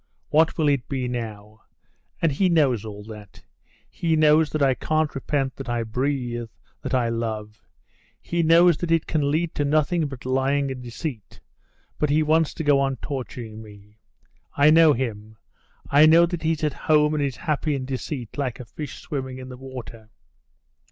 What will it be now? And he knows all that; he knows that I can't repent that I breathe, that I love; he knows that it can lead to nothing but lying and deceit; but he wants to go on torturing me. I know him; I know that he's at home and is happy in deceit, like a fish swimming in the water.